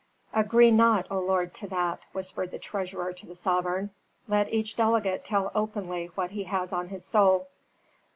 "Agree not, O lord, to that," whispered the treasurer to the sovereign. "Let each delegate tell openly what he has on his soul."